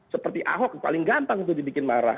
seperti ahok paling gampang itu dibikin marah